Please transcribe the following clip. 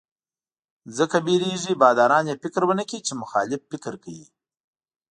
ځکه وېرېږي باداران یې فکر ونکړي چې مخالف فکر کوي.